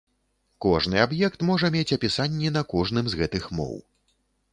Кожны аб'ект можа мець апісанні на кожным з гэтых моў.